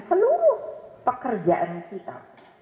seluruh pekerjaan kita